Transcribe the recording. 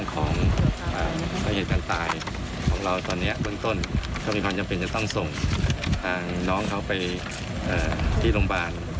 ก็ตามกรุณีต่อไปครับ